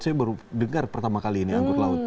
saya baru dengar pertama kali ini angkut laut